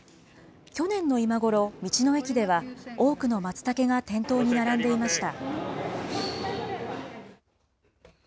去年の今頃、道の駅では多くのまつたけが店頭に並んでいました。